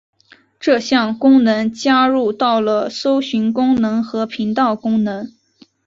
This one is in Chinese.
这项功能加入到了搜寻功能和频道功能。